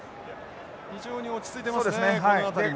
非常に落ち着いていますねこの辺りも。